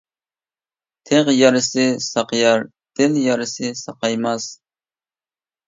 تىغ يارىسى ساقىيار، دىل يارىسى ساقايماس.